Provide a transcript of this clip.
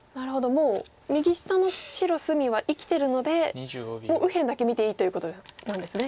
もう右下の白隅は生きてるので右辺だけ見ていいということなんですね。